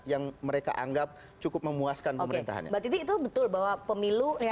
yang mereka anggap cukup memuaskan pemerintahannya